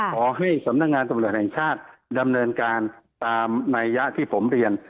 ขอให้สำนักงานตำรวจแห่งชาติดำเนินการตามนัยยะที่ผมเรียน